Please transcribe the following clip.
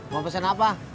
mau pesen apa